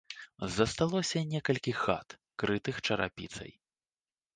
Засталося некалькі хат, крытых чарапіцай.